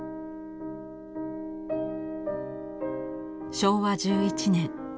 昭和１１年。